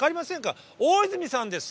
大泉さんです。